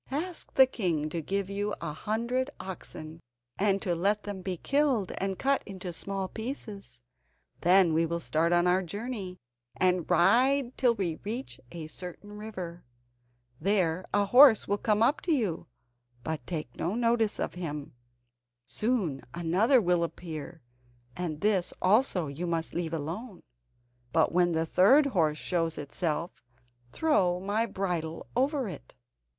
"Ask the king to give you a hundred oxen, and to let them be killed and cut into small pieces. Then we will start on our journey, and ride till we reach a certain river. There a horse will come up to you, but take no notice of him. Soon another will appear, and this also you must leave alone, but when the third horse shows itself, throw my bridle over it."